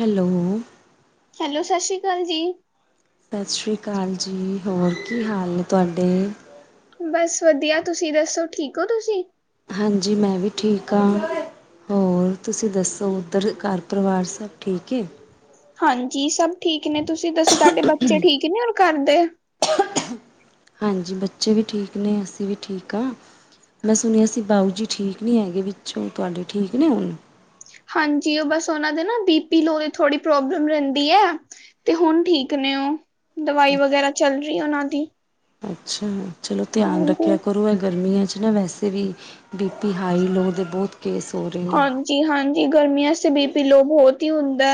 Hello hello ਸਸ ਰੀ ਕਾਲ ਜੀ। ਸਸ ਰੀ ਕਾਲ ਜੀ ਹੋਰ ਕੀ ਹਾਲ ਨੇ ਤੁਆਡੇ। ਬਸ ਵਦੀਆ, ਤੁਸੀਂ ਦੱਸੋ ਠੀਕ ਓਂ ਤੁਸੀਂ। ਹਾਂਜੀ, ਮੈਂ ਵੀ ਠੀਕ ਆਂ। ਹੋਰ ਤੁਸੀਂ ਦੱਸੋ, ਓਦਰ ਘਰ ਪਰਿਵਾਰ ਸਬ ਠੀਕ ਏ। ਹਾਂਜੀ, ਸਬ ਠੀਕ ਨੇ ਤੁਸੀਂ ਦੱਸੋ ਤੁਆਡੇ ਬੱਚੇ ਠੀਕ ਨੇ ਔਰ ਕਰਦੇ। ਹਾਂਜੀ, ਬੱਚੇ ਵੀ ਠੀਕ ਨੇ ਅਸੀਂ ਵੀ ਠੀਕ ਆਂ। ਮੈਂ ਸੁਨਿਆ ਸੀ ਬਾਊ ਜੀ ਠੀਕ ਨੀ ਹੈਗੇ ਵਿੱਚੋਂ ਤੁਆਡੇ ਠੀਕ ਨੇ ਹੁਨ। ਹਾਂਜੀ ਓ ਬਸ ਓਨਾਂ ਦੇ ਨਾ ਬੀ ਪੀ ਲੋਅ ਦੀ ਥੋੜੀ ਪ੍ਰੋਬਲਮ ਰੈਂਦੀ ਐ। ਤੇ ਹੁਨ ਠੀਕ ਨੇ ਓ, ਦਵਾਈ ਵਗੈਰਾ ਚੱਲ ਰਈ ਐ ਓਨਾਂ ਦੀ। ਅੱਛਾ, ਚਲੋ ਧਿਆਨ ਰੱਖਿਆ ਹਾਂਜੀ। ਕਰੋ ਐਹ ਗਰਮੀਆਂ ਚ ਨਾ ਵੈਸੇ ਵੀ ਬੀ ਪੀ ਹਾਈ ਲੋਅ ਦੇ ਬੋਤ ਕੇਸ ਹੋ ਰਏ ਨੇ। ਜੀ ਹਾਂਜੀ ਗਰਮੀਆਂ ਚ ਤੇ ਬੀ ਪੀ ਲੋੋਅ ਬੋਤ ਈ ਹੁੰਦੈ।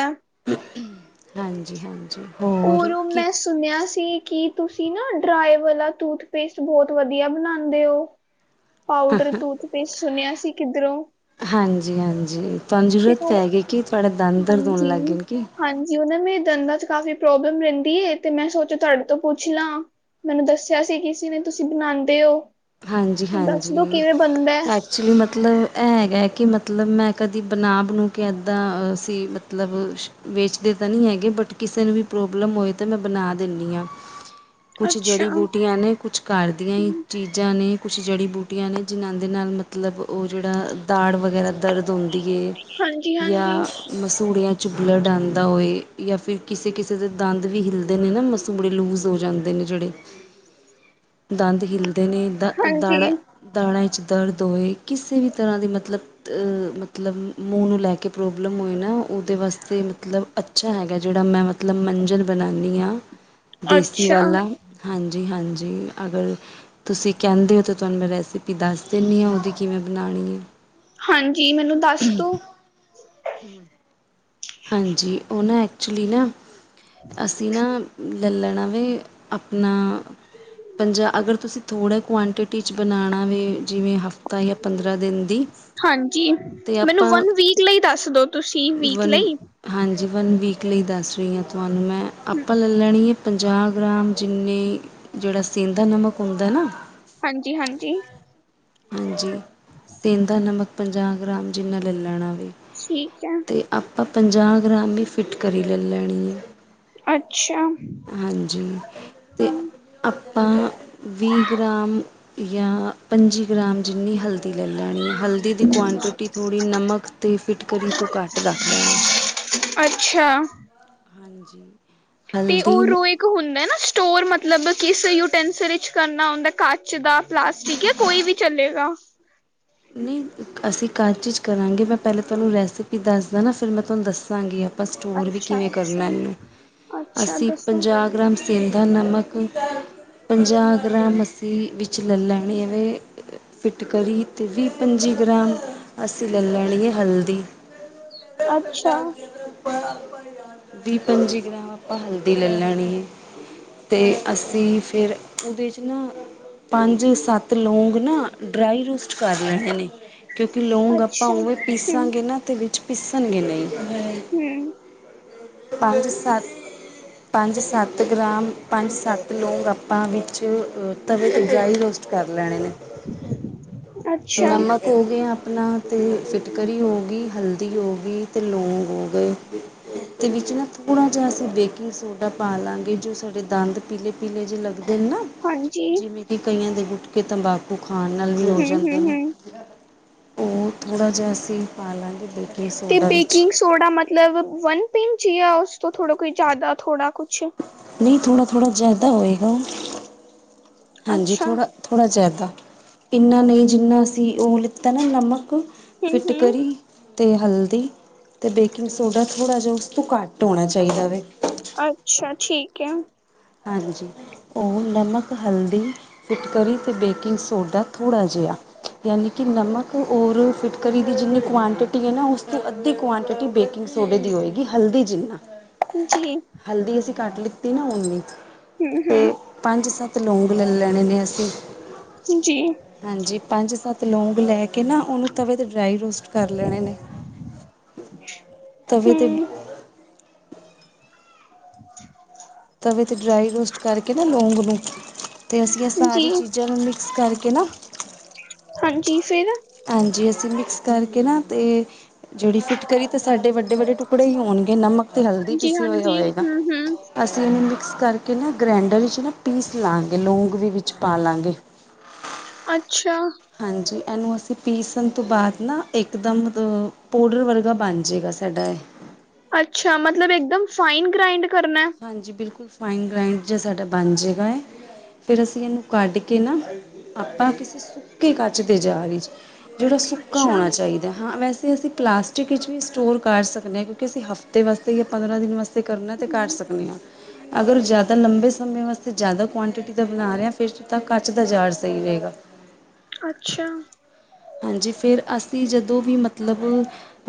ਹਾਂਜੀ-ਹਾਂਜੀ। ਓਰੋ ਮੈਸ ਸੁਨੇਆ ਸੀ ਕੀ ਤੁਸੀਂ ਨਾ ਡਰਾਏ ਵਾਲਾ ਟੂਥਪੇਸਟ ਬੋਤ ਵਦੀਆ ਬਨਾਂਦੇ ਓਂ। [inaudible] ਪਾਊਡਰ, ਟੂਥਪੇਸਟ ਸੁਨੇਆ ਸੀ ਕਿੱਦਰੋਂ। ਹਾਂਜੀ-ਹਾਂਜੀ ਤਾਨੂੰ ਜ਼ਰੂਰਤ ਉਹ ਪੈ ਗੀ ਕੀ ਤੁਆਡਾ ਦੰਦ ਦਰਦ ਹੋਨ ਲਾਗੇਆ ਕੀ। ਜੀ ਓ ਨਾ ਮੇਰੇ ਦੰਦਾਂ ਚ ਕਾਫ਼ੀ ਪ੍ਰੋਬਲਮ ਰੈਂਦੀ ਏ ਤੇ ਮੈਂ ਸੋਚੇਆ ਤੁਆਡੇ ਤੋਂ ਪੁੱਛ ਲਾਂ। ਮੈਨੂੰ ਦੱਸਿਆ ਸੀ, ਕਿਸੀ ਨੇ ਤੁਸੀਂ ਬਣਾਉਂਦੇ ਹੋ, ਦੱਸ ਦੋ ਹਾਂਜੀ-ਹਾਂਜੀ। ਕਿਵੇਂ ਬਣਦਾ ਹੈ। ਐਕਚੁਲੀ ਮਤਲਬ ਇਹ ਹੈਗਾ, ਕਿ ਮਤਲਬ ਮੈਂ ਕਦੀ ਬਨਾ ਬਨੂ ਕੇ ਏਦਾਂ ਸੀ ਮਤਲਬ। ਵੇਚਦੇ ਤੇ ਨਹੀਂ ਹੈਗੇ, ਬਟ ਕਿਸੇ ਨੂੰ ਵੀ ਪ੍ਰੋਬਲਮ ਹੋਏ ਤਾਂ ਮੈਂ ਬਣਾ ਦਿੰਦੀ ਹਾਂ‌। ਕੁਛ ਅੱਛਾ ਜੜੀ ਬੂਟੀਆਂ ਨੇ ਕੁਛ ਘਰ ਦੀਆਂ ਹੀ ਚੀਜ਼। ਚੀਜ਼ਾ ਨੇ, ਕੁਝ ਜੜੀ ਬੂਟੀਆਂ ਨੇ ਜਿਨ੍ਹਾਂ ਦੇ ਨਾਲ ਮਤਲਬ, ਉਹ ਜਿਹੜਾ ਦਾੜ ਵ। ਵਗੈਰਾ ਦਰਦ ਹੁੰਦੀ ਏ ਹਾਂਜੀ ਹਾਂਜੀ ਜਾਂ। ਮਸੂੜਿਆਂ 'ਚ ਬਲੱਡ ਆਉਂਦਾ ਹੋਏ ਜਾਂ ਫਿਰ ਕਿਸੇ- ਕਿਸੇ ਦੇ ਦੰਦ ਵੀ ਹਿਲਦੇ ਨੇ ਨਾ ਮਸ। ਚੁੰਮੜੇ ਲੂਜ ਹੋ ਜਾਂਦੇ ਨੇ ਜਿਹੜੇ, ਦੰਦ ਹਿਲਦੇ ਨੇ ਦ ਦਾੜਾ। ਹਾਂਜੀ ਦਾੜਾ 'ਚ ਦਰਦ ਹੋਵੇ, ਕਿਸੇ ਵੀ ਤਰ੍ਹਾਂ ਦੀ ਮਤਲਬ। ਮਤਮਤਲਬ ਮੂੰਹ ਨੂੰ ਲੈ ਕੇ ਪ੍ਰੋਬਲਮ ਹੋਏ ਨਾ ਉਹਦੇ ਵਾਸਤੇ ਮਤਲਬ ਅੱਛਾ ਹੈਗਾ ਜਿਹੜਾ ਮੈਂ। ਮਤ ਮਤਲਬ ਮੰਜਣ ਬਣਾਉਂਦੀ ਹਾਂ, ਦੇਸੀ ਅੱਛਾ ਵਾਲਾ। ਹਾਂਜੀ -ਹਾਂਜੀ ਅਗਰ। ਤੁਸੀਂ ਕਹਿੰਦੇ ਹੋ, ਤਾਂ ਤੁਹਾਨੂੰ ਮੈਂ ਰੈਸਿਪੀ ਦੱਸ ਦਿੰਦੀ ਹਾਂ ਉਹਦੀ ਕਿਵੇਂ ਬਣਾਉਣੀ ਏ ਹਾਂਜੀ ਮੈਨੂੰ ਦੱਸ ਦੋ। ਹਮ। ਹਾਂਜੀ, ਉਹ ਨਾ ਐਕਚੁਲੀ ਨਾ ਅਸੀਂ ਨਾ ਲੈ ਲੈਣਾ ਵੇ। ਅਪਣਾ, ਪੰਜਾ ਅਗਰ ਤੁਸੀਂ। ਥੋੜ੍ਹਾ ਕੁਆਂਟਿਟੀ 'ਚ ਬਣਾਉਣਾ ਵੇ, ਜਿਵੇਂ ਹਫ਼ਤਾ ਜਾਂ ਪੰਦਰਾਂ ਦਿਨ ਦੀ। ਹਾਂਜੀ ਅਤੇ ਮੈਨੂੰ ਆਪਾਂ ਵਨ ਵੀਕ ਲਈ ਦੱਸ ਦੋ ਤੁਸੀਂ, ਵੀਕ ਵਨ ਲਈ। ਹਾਂਜੀ ਵਨ ਵੀਕ ਲਈ ਦੱਸ ਰਹੀ ਹਾਂ, ਤੁਹਾਨੂੰ ਮੈਂ ਹਮ, ਆਪਾਂ ਲੈ ਲੈਣੀ ਏ ਪੰਜਾਹ ਗ੍ਰਾਮ ਜਿੰਨੀ, ਜਿਹੜਾ ਸੇਂਦਾ ਨਮਕ ਹੁੰਦਾ ਨਾ। ਹਾਂਜੀ -ਹਾਂਜੀ। ਹਾਂਜੀ ਸੇਂਦਾ ਨਮਕ ਪੰਜਾਹ ਗ੍ਰਾਮ, ਜਿੰਨਾ ਲੈ ਲੈਣਾ ਵੇ। ਠੀਕ ਹੈ। ਤੇ ਆਪਾਂ ਪੰਜਾਹ ਗ੍ਰਾਮ ਹੀ ਫਿੱਟ ਕਰੀ ਲੈ ਲੈਣੀ ਏ ਅੱਛਾ ਹਾਂਜੀ, ਤੇ। ਹਮ, ਆਪਾਂ ਵੀਹ ਗ੍ਰਾਮ ਜਾਂ ਪੰਜੀ ਗ੍ਰਾਮ ਜਿੰਨੀ ਹਲਦੀ। ਹਲਦੀ ਲੈ ਲੈਣੀ ਹੈ, ਹਲਦੀ ਦੀ ਕੁਆਂਟਿਟੀ ਥੋੜ੍ਹੀ ਨਮਕ 'ਤੇ ਫਿੱਟਕਰੀ ਤੋਂ ਘੱਟ ਰੱਖ ਲੈਣਾ। ਅੱਛਾ। ਹਾਂਜੀ, ਤੇ ਉਹ ਹਲਦੀ। ਰੋ ਇੱਕ ਹੁੰਦਾ ਨਾ ਸਟੋਰ, ਮਤਲਬ ਕਿਸੇ ਯੂਟੈਂਸਲ ਵਿੱਚ ਕਰਨਾ ਹੁੰਦਾ ਕੱਚ ਦਾ। ਪਲਾਸਟਿਕ ਜਾਂ ਕੋਈ ਵੀ ਚਲੇਗਾ। ਨਹੀਂ। ਅਸੀਂ ਕਚ 'ਚ ਕਰਾਂਗੇ। ਮੈਂ ਪਹਿਲਾਂ ਤੁਹਾਨੂੰ ਰੈਸਿਪੀ ਦੱਸਦਾ ਨਾ ਫਿਰ ਮੈਂ ਤੁਹਾਨੂੰ ਦੱਸਾਂਗੀ ਆਪ ਆਪਾਂ ਸਟੋਰ ਵੀ ਅੱਛਾ ਕਿਵੇਂ ਕਰਨਾ ਅੱਛਾ ਇਹਨੂੰ, ਅੱਛਾ ਅਸੀਂ ਦੱਸੋ ਪੰਜਾਹ ਗ੍ਰਾਮ ਸੇਂਦਾ ਨਮਕ ਪੰਜਾਹ ਗ੍ਰਾਮ ਮੱਸੀ ਵਿੱਚ ਲੈ-ਲੈਣੀ ਮੇਵੇ ਫਿਟਕਰੀ ਤੇ ਵੀਹ ਪੰਜੀ ਗ੍ਰਾਮ ਅਸੀਂ ਲੈ ਲੈਣੀ ਏ ਹਲਦੀ ਅੱਛਾ [unintelligible] ਵੀਹ ਪੰਜੀ ਗ੍ਰਾਮ ਆਪਾਂ ਹਲਦੀ ਲੈ ਲੈਣੀ ਏ ਤੇ ਅਸੀਂ ਫਿਰ ਉਹਦੇ 'ਚ ਨਾ ਪੰਜ ਸੱਤ ਲੌਂਗ ਨਾ ਡਰਾਈ ਰੂਸ ਕੁਛ ਕਰ ਲੈਣੇ ਨੇ, ਕਿਉਂਕਿ ਲੌਂਗ ਆਪਾਂ ਅੱਛਾ ਉਵੇਂ ਹਮ ਪੀਸਾਂਗੇ ਨਾ ਤੇ ਵਿੱਚ ਪੀਸਣਗੇ ਨਹੀਂ ਹਮ ਪੰਜ ਸੱਤ ਪੰਜ ਸੱਤ ਗ੍ਰਾਮ, ਪੰਜ ਸੱਤ ਲੋਕ ਆਪਾਂ ਵੀਚ ਤਵੇ ਤੇ ਡਰਾਈ ਰੋਸਟ ਕਰ ਲੈਣੇ ਨੇ। ਅੱਛਾ ਨਮ ਹੋ ਗੇਆ ਆਪਣਾ ਅਤੇ ਫਿਟਕਰੀ ਹੋ ਗੀ ਹਲਦੀ ਹੋ ਗੀ ਤੇ ਲੌਂਗ ਹੋ ਗਏ ਦੇ ਵਿੱਚ ਨਾ ਥੋੜਾ ਜੇਆ ਅਸੀਂ ਬੇਕਿੰਗ ਸੋਡਾ ਪਾ ਲਾਗੇ ਜੋ ਸਾਡੇ ਦੰਦ ਪੀਲੇ-ਪੀਲੇ ਜੇ ਲੱਗਦੇ ਨੇ ਨਾ। ਹਾਂਜੀ? ਕੀ ਕਈਆਂ ਦੇ ਗੁੱਟਕੇ, ਤੰਬਾਕੂ ਖਾਣ ਨਾਲ ਵੀ ਹੋ ਹਮ ਜਾਂਦੇ ਹਮ ਨੇ। ਹਮ ਓ ਥੋੜਾ ਜੇਆ ਅਸੀਂ ਪਾ ਲਾਂਗੇ ਤੇ ਬੇਕਿੰਗ ਸੋਡਾ ਮਤਲਬ ਵਨ ਪਿੰਚ ਜਾਂ ਓਸ ਤੋਂ ਥੋੜਾ ਕੋਈ ਜਾਦਾ ਥੋੜਾ ਕੁਛ ਨਈ ਥੋੜ੍ਹਾ-ਥੋੜ੍ਹਾ ਜਾਦਾ ਹੋਵੇਗਾ। ਹਾਂਜੀ ਅੱਛਾ ਥੋੜ੍ਹਾ-ਥੋੜ੍ਹਾ ਜਾਦਾ, ਏਨਾ ਨਈ ਜੀਨਾ ਅਸੀਂ ਓ ਲੀਤਾ ਨਾ ਨਮਕ ਹਮ ਹਮ ਫਿੱਟਕਰੀ ਤੇ ਹਲਦੀ, ਤੇ ਬੇਕਿੰਗ ਸੋਡਾ ਥੋੜ੍ਹਾ ਜੇਆ ਓਸ ਤੋਂ ਘੱਟ ਹੋਣਾ ਚਾਈਦਾ ਵੇ। ਅੱਛਾ ਠੀਕ ਐ। ਹਾਂਜੀ ਓ ਨਮਕ ਹਲਦੀ ਫਿਟਕੀ ਤੇ ਬੇਕਿੰਗ ਸੋਡਾ ਥੋੜ੍ਹਾ ਜੇਆ ਯਾਨੀ ਕੇ ਨਮਕ ਓਰ ਫਿਟਕੀ ਦੀ ਜੀਨੀ ਕੁਵਆਂਟਿਟੀ ਐ ਨਾ ਓਸ ਅਦੀ ਕੁਆਂਟਿਟੀ ਬੇਕਿੰਗ ਸੋਡੇ ਦੀ ਹੋਏਗੀ ਹਲਦੀ ਜੀਨਾ ਜੀ ਹਲਦੀ ਅਸੀਂ ਘੱਟ ਲੀਤੀ ਨਾ ਓਨੀ ਹੂ, ਹੂ। ਪੰਜ-ਸੱਤ ਲੌਂਗ ਲੈ ਲੈਣੇ ਨੇ ਅਸੀਂ ਜੀ ਹਾਂਜੀ ਪੰਜ-ਸੱਤ ਲੌਂਗ ਲੈ ਕੇ ਨਾ ਓਨੂੰ ਤਵੇ ਤੇ ਡਰਾਈ ਰੋਸਟ ਕਰ ਲੈਣੇ ਨੇ, ਤਵੇ ਤੇ ਹਮ [inaudible] ਤਵੇ ਤੇ ਡਰਾਈ ਰੋਸਟ ਕਰਕੇ ਨਾ ਲੌਂਗ ਨੂੰ ਤੇ ਅਸੀਂ ਆ ਸਾਰੀ ਜੀ ਚੀਜ਼ਾਂ ਨੂੰ ਮਿਕਸ ਕਰਕੇ ਨਾ ਹਾਂਜੀ ਫੇਰ? ਹਾਂਜੀ ਅਸੀਂ ਮਿਕਸ ਕਰਕੇ ਨਾ ਤੇ ਜੇੜੀ ਫਿੱਟਕਰੀ ਤੇ ਸਾਡੇ ਵੱਡੇ-ਵੱਡੇ ਟੁਕੜੇ ਈ ਹੋਣਗੇ ਨਮਕ ਤੇ ਹਲਦੀ ਹਾਂਜੀ ਪੀਸੇ ਹੋਏ ਹਾਂਜੀ ਹੋਏਗਾ। ਹਮ ਹਮ [unintelligible] ਮਿਕਸ ਕਰਕੇ ਨਾ ਗ੍ਰੈਂਡਰ ਵਿੱਚ ਨਾ ਪੀਸ ਲਾਗੇ ਲੌਂਗ ਵੀ ਵੀਚ ਪਾ ਲਾਗੇ। ਅੱਛਾ ਹਾਂਜੀ, ਐਨੂੰ ਅਸੀਂ ਪੀਸਣ ਤੋਂ ਬਾਦ ਨਾ ਇਕਦਮ ਦ ਪੋਡਰ ਵਰਗਾ ਬਣ ਜੇਗਾ ਸਾਡਾ ਏ। ਅੱਛਾ ਮਤਲਬ ਇੱਕਦਮ ਫਾਈਨ ਗ੍ਰਾਈੰਡ ਕਰਨੈ? ਹਾਂਜੀ ਬੇਲਕੁਲ ਫਾਈਨ ਗ੍ਰੈਡ ਜੇਆ ਸਾਡਾ ਬਣ ਜੇਗਾ ਫੇਰ ਅਸੀਂ ਏਨੂੰ ਕੱਢ ਕੇ ਨਾ, ਆਪਾਂ ਕਿਸੇ ਸੁੱਕੇ ਕੱਚ ਤੇ ਜਾ ਰ ਚ ਜੇੜਾ ਸੁੱਕਾ ਹੋਣਾ ਚਾਈਦਾ ਆ ਵੈਸੇ ਅਸੀਂ ਪਲਾਸਟਿਕ ਵਿੱਚ ਵੀ ਸਟੋਰ ਕਰ ਸਕਦੇ ਨੇ ਕਿਉੰਕੀ ਅਸੀਂ ਹਫ਼ਤੇ ਵਾਸਤੇ ਜਾਂ ਪੰਦਰਾਂ ਦਿਨ ਵਾਸਤੇ ਕਰਨਾ ਤੇ ਕਰ ਸਕ ਦੇਆ। ਅਗਰ ਜਾਦਾ ਲੰਬੇ ਸਮੇਂ ਵਾਸਤੇ ਜਾਦਾ ਕੁਆਂਟਿਟੀ ਦਾ ਬਣਾ ਰਏ ਆ ਫੇਰ ਤਾਂ ਕੱਚ ਦਾ ਜਾਰ ਸਈ ਰਏਗਾ। [inaudible] ਅੱਛਾ। ਹਾਂਜੀ ਫੇਰ ਅਸੀਂ ਜਦੋਂ ਵੀ ਮਤਲਬ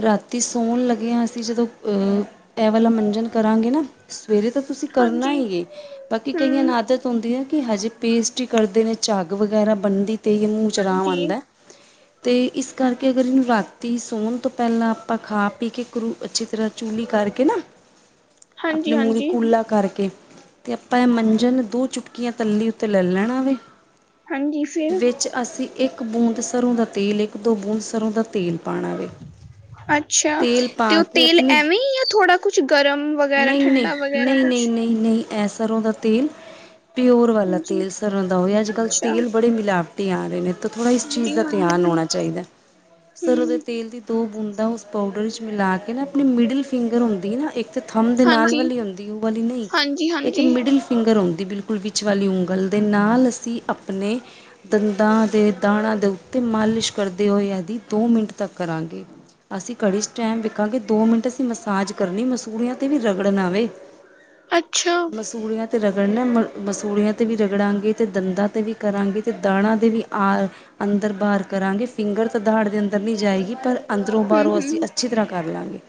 ਰਾਤੀ ਸੋਣ ਲੱਗੇਆ ਅਸੀਂ ਜਦੋਂ ਆ, ਐ ਵਾਲਾ ਮੰਜਣ ਕਰਾਂਗੇ ਨਾ ਸਵੇਰੇ ਤਾਂ ਤੁਸੀਂ ਕਰਨਾ ਹੀ ਏ, ਬਾਕੀ ਕਈਆਂ ਨ ਆਦਤ ਧੋਂਦੇ ਹੈ ਕਿ ਹਜੇ ਪੇਸਟ ਹੀ ਕਰਦੇ ਨੇ, ਝੱਗ ਵਗੈਰਾ ਬਣਦੀ, ਤੇ ਹੀ ਮੂੰਹ 'ਚ ਆਰਾਮ ਆਉਂਦਾ। ਹ- ਤੇ ਇਸ ਕਰਕੇ ਅਗਰ, ਇਹਨੂੰ ਰਾਤੀ ਸੌਣ ਤੋਂ ਪਹਿਲਾਂ ਆਪਾਂ ਖਾ ਪੀ ਕੇ ਕਰੁ ਅੱਛੀ ਤਰ੍ਹਾਂ ਚੁਲੀ ਕਰਕੇ ਨਾ, ਆਪਣੇ ਮੂੰਹ ਦੀ ਕੁਰਲਾ ਕਰਕੇ ਤੇ ਆਪਾਂ ਇਹ ਮੰਜਣ ਦੋ ਚੁਟਕੀਆਂ ਤੱਲੀ ਉੱਤੇ ਲੈ ਲੈਣਾ ਵੇ, ਵਿੱਚ ਅਸੀਂ ਇੱਕ ਬੂੰਦ ਸਰ੍ਹੋਂ ਦਾ ਤੇਲ, ਇੱਕ ਦੋ ਬੂੰਦ ਸਰੋਂ ਦਾ ਤੇਲ ਪਾਉਣਾ ਵੇ ਅੱਛਾ, ਤੇਲ ਤੇ ਪਾ ਉਹ ਕੇ ਤੇਲ ਐਵੇਂ, ਯ ਥੋੜਾ ਕੁਛ ਗਰਮ ਵ ਨਹੀਂ-ਨਹੀਂ-ਨਹੀਂ-ਨਹੀਂ-ਨਹੀਂ-ਨਹੀਂ, ਇਹ ਸਰ੍ਹੋਂ ਦਾ ਤੇਲ ਪਿਓਰ ਵਾਲਾ ਹਾਂਜੀ ਤੇਲ ਸਰ੍ਹੋਂ ਦਾ ਹੋਵੇ, ਅੱਜ ਕੱਲ੍ਹ ਅੱਛਾ ਤੇਲ ਬੜੇ ਮਿਲਾਵਟੀ ਆ ਰਹੇ ਨੇ। ਤਾਂ ਥੋੜ੍ਹਾ ਇਸ ਚੀਜ਼ ਹਾਂਜੀ ਦਾ ਧਿਆਨ ਹੋਣਾ ਹਾਂਜੀ ਚਾਹੀਦਾ, ਸਰ੍ਹੋਂ ਦੇ ਹਮ ਤੇਲ ਦੀ ਦੋ ਬੂੰਦਾ ਉਸ ਪਾਊਡਰ ਵਿੱਚ ਮਿਲਾ ਕੇ ਨਾ, ਆਪਣੀ ਮਿਡਲ ਫਿੰਗਰ ਹੁੰਦੀ ਹੈ ਨਾ ਇੱਕ ਥਮ ਦੇ ਨਾਲ ਹਾਂਜੀ ਵਾਲੀ ਹੁੰਦੀ, ਉਹ ਵਾਲੀ ਨਹੀਂ, ਹਾਂਜੀ ਇੱਕ ਹਾਂਜੀ ਮਿਡਲ ਫਿੰਗਰ ਹੁੰਦੀ, ਬਿਲਕੁਲ ਵਿੱਚ ਵਾਲੀ ਉਂਗਲ ਦੇ ਨਾਲ ਅਸੀਂ ਆਪਣੇ ਦੰਦਾਂ ਦੇ ਦਾੜਾ ਦੇ ਉੱਤੇ ਮਾਲਿਸ਼ ਕਰਦੇ ਹੋਏ, ਏਦੀ ਦੋ ਮਿੰਟ ਤੱਕ ਕਰਾਂਗੇ। ਅਸੀਂ ਘੜੀ 'ਚ ਟਾਈਮ ਵੇਖਾਂਗੇ, ਦੋ ਮਿੰਟ ਅਸੀਂ ਮਸਾਜ ਕਰਨੀ ਮਸੂੜਿਆਂ ਤੇ ਵੀ ਰਗੜਨਾ ਵੇ। ਅੱਛਾ। ਮਸੂੜਿਆਂ 'ਤੇ ਰਗੜਨਾ, ਮ ਮਸੂੜਿਆਂ 'ਤੇ ਵੀ ਰਗੜਾਂਗੇ ਅਤੇ ਦੰਦਾਂ 'ਤੇ ਵੀ ਕਰਾਂਗੇ ਅਤੇ ਦਾੜਾ 'ਤੇ ਵੀ ਆ ਅੰਦਰ ਬਾਹਰ ਕਰਾਂਗੇ, ਫਿੰਗਰ ਤਾਂ ਦਾੜ ਦੇ ਅੰਦਰ ਨਹੀਂ ਜਾਏਗੀ ਪਰ ਅੰਦਰੋਂ, ਹਮ ਬਾਹਰੋਂ ਅਸੀਂ ਹਮ ਅੱਛੀ ਤਰ੍ਹਾਂ ਕਰ ਲਵਾਂਗੇ।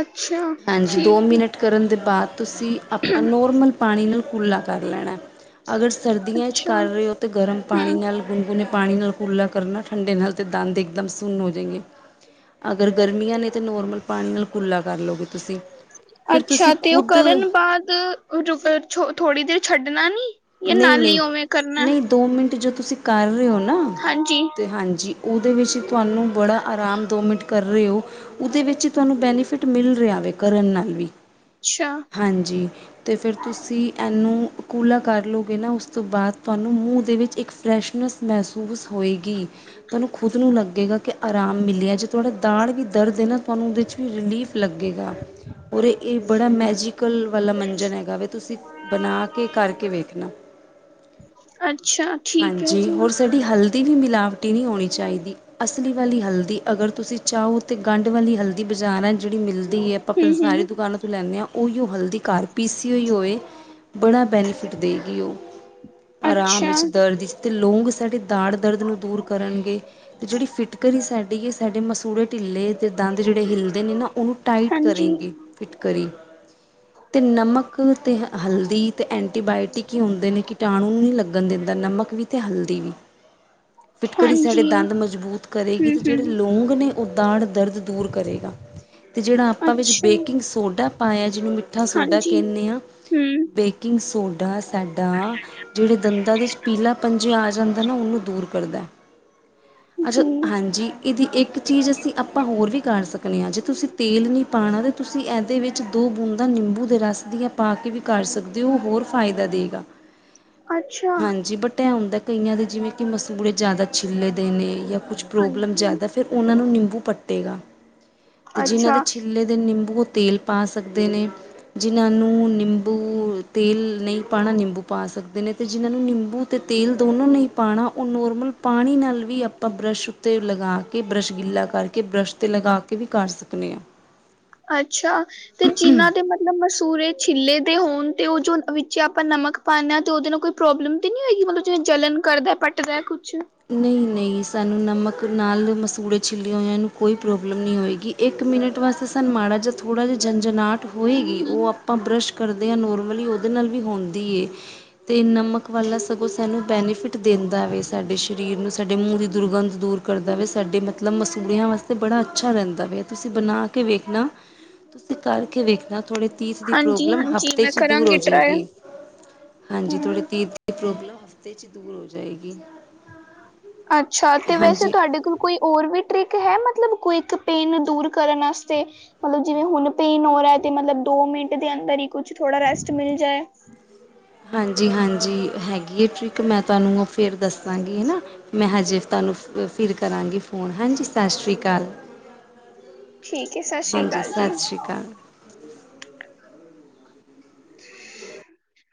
ਅੱਛਾ। ਹਾਂਜੀ, ਦੋ ਠੀਕ ਮਿੰਟ ਕਰਨ ਦੇ ਬਾਅਦ ਤੁਸੀਂ ਆਪਾਂ ਨੋਰਮਲ ਪਾਣੀ ਨਾਲ ਕੁਰਲਾ ਕਰ ਲੈਣਾ, ਅਗਰ ਸਰਦੀਆਂ 'ਚ ਅੱਛਾ ਕਰ ਰਹੇ ਹੋ ਤਾਂ ਗਰਮ ਹਮ ਪਾਣੀ ਨਾਲ ਗੁਨਗੁਨੇ ਪਾਣੀ ਨਾਲ ਕੁਰਲਾ ਕਰਨਾ, ਠੰਡੇ ਨਾਲ ਤੇ ਦੰਦ ਇੱਕਦਮ ਸੁੰਨ ਹੋ ਜਾਏਗੇ। ਅਗਰ ਗਰਮੀਆਂ ਨੇ ਤਾਂ ਨੋਰਮਲ ਪਾਣੀ ਨਾਲ ਕੁਰਲਾ ਕਰ ਲਓਗੇ ਤੁਸੀਂ। ਫਿਰ ਅੱਛਾ, ਤੁਸੀਂ ਤੇ ਉਹ ਖੁਦ ਕਰਨ ਬਾਅਦ ਥੋੜ੍ਹੀ ਦੇਰ ਛੱਡਣਾ ਨੀ? ਜਾਂ ਨਾਲ ਹੀ ਉਵੇਂ ਕਰਨਾ ਨਹੀਂ-ਨਹੀਂ-ਨਹੀਂ, ਦੋ ਮਿੰਟ ਜੋ ਤੁਸੀਂ ਕਰ ਰਹੇ ਹੋ ਨਾ ਹਾਂਜੀ। ਅਤੇ ਹਾਂਜੀ, ਉਹਦੇ ਵਿੱਚ ਤੁਹਾਨੂੰ ਬੜਾ ਆਰਾਮ ਦੋ ਮਿੰਟ ਕਰ ਰਹੇ ਹੋ, ਉਹਦੇ ਵਿੱਚ ਹੀ ਤੁਹਾਨੂੰ ਬੈਨੀਫਿਟ ਮਿਲ ਰਿਹਾ ਵੈ, ਕਰਨ ਨਾਲ ਵੀ। ਅੱਛਾ। ਹਾਂਜੀ, ਤੇ ਫਿਰ ਤੁਸੀਂ ਇਹਨੂੰ ਕੂਲਾ ਕਰ ਲਉਗੇ ਨਾ, ਉਸ ਤੋਂ ਬਾਅਦ ਤੁਹਾਨੂੰ ਮੂੰਹ ਦੇ ਵਿੱਚ ਇੱਕ ਫਰੈਸ਼ਨੈਸ ਮਹਿਸੂਸ ਹੋਏਗੀ। ਤੁਹਾਨੂੰ ਖੁਦ ਨੂੰ ਲੱਗੇਗਾ ਕਿ ਆਰਾਮ ਮਿਲਿਆ, ਜੇ ਤੁਹਾਡਾ ਦਾੜ ਵੀ ਦਰਦ ਹੈ ਨਾ ਤੁਹਾਨੂੰ ਉਹਦੇ 'ਚ ਵੀ ਰਿਲੀਫ ਲੱਗੇਗਾ, ਔਰ ਇਹ ਬੜਾ ਮੈਜੀਕਲ ਵਾਲਾ ਮੰਜਨ ਹੈਗਾ ਵੈ, ਤੁਸੀਂ ਬਣਾ ਕੇ ਕਰ ਅੱਛਾ ਠੀਕ ਹੈ ਹਾਂਜੀ, ਜੀ ਹੋਰ ਤੁਹਾਡੀ ਹਲਦੀ ਵੀ ਮਿਲਾਵਟੀ ਨਹੀਂ ਹੋਣੀ ਚਾਹੀਦੀ, ਅਸੀ ਲੀ ਵਾਲੀ ਹਲਦੀ, ਅਗਰ ਤੁਸੀਂ ਚਾਹੋ ਤੇ ਗੰਢ ਵਾਲੀ ਹਲਦੀ ਬਾਜ਼ਾਰਾਂ ਜਿਹੜੀ ਮਿਲ ਦੀ ਆਪਾਂ ਹੂੰ ਪੰਸਾਰੀ ਹੂੰ ਦੁਕਾਨਾਂ ਤੋਂ ਲੈਂਦੇ ਹਾਂ, ਉਹੀ ਉਹ ਹਲਦੀ ਘਰ ਪੀਸੀ ਹੋਈ ਹੋਵੇ, ਬੜਾ ਬੈਨੀਫਿ ਟ ਦੇਗੀ ਉਹ, ਆਰਾਮ ਅੱਛਾ ਵਿੱਚ, ਦਰਦ ਵਿੱਚ, ਤੇ ਲੋਂਗ ਤਾਡੀ ਦਾੜ ਦਰਦ ਨੂੰ ਦੂਰ ਕਰਨਗੇ। ਤੇ ਜੇੜੀ ਫਿਟਕਰੀ ਸਾਡੀ ਐ ਸਾਡੇ ਮਸੂੜੇ ਢਿੱਲੇ- ਤੇ ਦੰਦ ਜੇੜੇ ਹਿੱਲਦੇ ਨੇ ਨ, ਓਨੂੰ ਟਾਈਟ ਹਾਂਜੀ ਕਰੇਂਗੀ। ਫਿਟਕਰੀ, ਤੇ ਨਮਕ, ਤੇ ਹਲਦੀ, ਤੇ ਐਂ- ਐਂਟੀਬਾਇਓਟਿਕ ਈ ਹੁੰਦੇ ਨੇ ਕੀਟਾਣੂ ਨੀ ਲੱਗਣ ਦਿੰਦਾ ਨਮਕ ਵੀ ਤੇ ਹਲਦੀ ਵੀ। ਫਿਟਕੜੀ ਸਾਡੇ ਹਾਂਜੀ ਦੰਦ ਮਜ਼ਬੂਤ ਕਰੇਗੀ ਹੂੰ ਤੇ ਜੇੜੇ ਹੂੰ ਲੌਂਗ ਨੇ ਓ ਦਾੜ ਦਰਦ ਦੂਰ ਕਰੇਗਾ। ਅ ਜੇੜਾ ਆਪਾਂ ਵਿੱਚ ਅੱਛਾ ਬੇਕਿੰਗ ਸੋਡਾ ਪਾਇਆ ਜਿਨੂੰ ਮਿੱਠਾ ਸੋਡਾ ਹਾਂਜੀ ਕੈਣੇ ਆਂ ਹੂੰ ਬੇ ਕਿੰਗ ਸੋਡਾ ਸਾਡਾ ਜੇੜੇ ਦੰਦਾਂ ਦੇ ਚ ਪੀਲਾ ਪਨ ਜਿਆ ਆ ਜਾਂਦਾ ਨਾ ਓਨੂੰ ਦੂਰ ਕਰਦਾ। ਜੀ ਅੱਛਾ ਹਾਂਜੀ। ਏਦੀ ਇੱਕ ਚੀਜ਼ ਅਸੀਂ ਆਪਾਂ ਹੋਰ ਵੀ ਕਰ ਸਕਨੇ ਆਂ ਜੇ ਤੁਸੀਂ ਤੇਲ ਨੀ ਪਾਣਾ ਤੇ ਤੁਸੀਂ ਏਦੇ ਵਿੱ ਦੋ ਬੂੰਦਾਂ ਨਿੰਬੂ ਦੇ ਰਸ ਦੀਆਂ ਪਾ ਕੇ ਵੀ ਕਰ ਸਕਦੇ ਓ ਹੋਰ ਫਾਇਦਾ ਦੇਗਾ। ਅੱਛਾ ਹਾਂਜੀ ਬਟ ਐ ਹੁੰਦਾ ਏ ਕਈਆਂ ਦੇ ਜਿਵੇਂ ਕੀ ਮਸੂੜੇ ਜਾਦਾ ਛਿੱਲੇੇ ਦੇ ਨੇ ਯਾ ਕੁਛ ਪ੍ਰੋਬਲਮ ਹਾਂਜੀ ਜਾਦਾ ਫੇਰ ਓਨਾਂ ਨੂੰ ਨਿੰਬੂ ਪੱਟੇਗਾ ਤੇ ਜਿਨਾਂ ਅੱਛਾ ਦੇ ਛਿੱਲੇ ਤੇ ਨਿੰਬੂ ਤੇਲ ਪਾ ਸਕਦੇ ਨੇ ਜਿਨ੍ਹਾਂ ਨੂੰ ਨਿੰਬੂ ਤੇਲ ਨਈ ਪਾਣਾ ਨਿੰਬੂ ਪਾ ਸਕਦੇ ਨੇ ਤੇ ਜਿਨਾਂ ਨੂੰ ਨਿੰਬੂ ਤੇ ਤੇਲ ਦੋਨੋ ਨੀ ਪਾਣਾ ਓ ਨੋਰਮਲ ਪਾਣੀ ਨਾਲ ਵੀ ਆਪਾਂ ਬਰੱਸ਼ ਉੱਤੇ ਲਗਾ ਕੇ, ਬਰੱਸ਼ ਗਿੱਲਾ ਕਰਕੇ, ਬਰੱਸ਼ ਤੇ ਲਗਾ ਕੇ ਵੀ ਕਰ ਸਕਨੇ ਆਂ। ਅੱਛਾ! ਤੇ ਜਿਨਾਂ ਦੇ ਮਤਲਬ ਮਸੂਰੇ ਛਿੱਲੇ ਦੇ ਹੋਣ ਤੇ ਓ ਜੋ ਵਿੱਚ ਆਪਾਂ ਨਮਕ ਪਾਨੇ ਆ ਤੇ ਓਦੇ ਨਾਲ ਕੋਈ ਪ੍ਰੋਬਲਮ ਤੇ ਨੀ ਹੋਏਗੀ ਮਤਲਬ ਜਿਵੇਂ ਜਲਣ ਕਰਦਾ ਪੱਟਦਾ ਕੁਛ ਨਈ ਨਈ ਸਾਨੂੰ ਨਮਕ ਨਾਲ ਮਸੂੜੇ ਛਿੱਲੀਆਂ ਹੋਇਆਂ ਨੂੰ ਕੋਈ ਪ੍ਰੋਬਲਮ ਨੀ ਹੋਏਗੀ। ਇੱਕ ਮਿੰਟ ਵਾਸਤੇ ਸਾਨੂੰ ਮਾੜਾ ਜਿਆ ਥੋੜ੍ਹਾ ਜਿਆ ਜੰਝਨਾਟ ਹੋਏਗੀ ਓ ਆਪਾਂ ਬਰੱਸ਼ ਕਰਦੇ ਆਂ ਨੋਰਮਲੀ ਓਦੇ ਨਾਲ ਵੀ ਹੋਂਦੀ ਏ ਤੇ ਨਮਕ ਵਾਲਾ ਸਗੋਂ ਸਾਨੂੰ ਬੈਨੀਫਿਟ ਦਿੰਦਾ ਵੇ ਸਾਡੇ ਸਰੀਰ ਨੂੰ ਸਾਡੇ ਮੂੰਹ ਦੀ ਦੁਰਗੰਧ ਦੂਰ ਕਰਦਾ ਵੇ ਸਾਡੇ ਮਤਲਬ ਮਸੂੂੜਿਆਂ ਵਾਸਤੇ ਬੜਾ ਅੱਛਾ ਰੈਂਦਾ ਵੇ, ਤੁਸੀਂ ਬਣਾ ਕੇ ਵੇਖਣਾ। ਤੁਸੀਂ ਕਰਕੇ ਵੇਖਣਾ ਤੋਡੇ ਤੀਥ ਦੀ ਹਾਂਜੀ ਪ੍ਰੋਬਲਮ ਹਾਂਜੀ ਹਫ਼ਤੇ ਮੈਂ ਚ ਦੂਰ ਹੋ ਕਰਾਂਗੀ ਟਰਾਈ ਜੇਗੀ। ਹਾਂਜੀ ਥੋੜੇ ਹਮ ਤੀਥ ਪ੍ਰੋਬਲਮ ਹਫ਼ਤੇ ਚ ਦੂਰ ਹੋ ਜਾਏਗੀ। ਅੱਛਾ ਤੇ ਵੈਸੇ ਹਾਂਜੀ ਤੁਆਡੇ ਕੋਲ ਕੋਈ ਓਰ ਵੀ ਟਰਿਕ ਹੈ ਮਤਲਬ ਕਵਿਕ ਪੇਨ ਦੂਰ ਕਰਨ ਅਸਤੇ। ਮਲਬ ਜਿਵੇਂ ਹੁਣ ਪੇਨ ਹੋ ਰੇ, ਤੇ ਮਲਬ ਦੋ ਮਿੰਟ ਦੇ ਅੰਦਰ ਈ ਕੁਛ ਥੋੜ੍ਹਾ ਰੈਸਟ ਮਿਲ ਜਾਏ। ਹਾਂਜੀ-ਹਾਂਜੀ ਹੈਗੀ ਏ ਟ੍ਰਿਕ ਮੈਂ ਤੁਆਨੂੰ ਫੇਰ ਦੱਸਾਂਗੀ ਹਨਾ ਮੈਂ ਹਜੇ ਤਾਨੂੰ ਫਿਰ ਕਰਾਂਗੀ ਫੋਨ ਹਾਂਜੀ ਸਾਸ਼ਰੀ ਕਾਲ। ਠੀਕ ਹੈ ਸਤਿ ਸ੍ਰੀ ਹਾਂਜੀ ਅਕਾਲ ਜੀ ਸਾਸ਼ਰੀ ਕਾਲ। [inaudible]